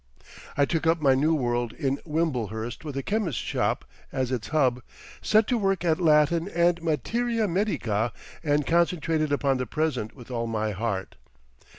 I took up my new world in Wimblehurst with the chemist's shop as its hub, set to work at Latin and materia medica, and concentrated upon the present with all my heart.